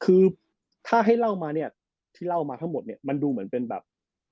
คือถ้าให้เล่ามาเนี่ยที่เล่ามาทั้งหมดเนี่ยมันดูเหมือนเป็นแบบ